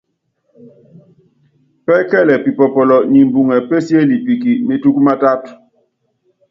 Pɛ́kɛlɛ pipɔpɔlɔ nimbuŋɛ pésiélipikene metúkú mátátu.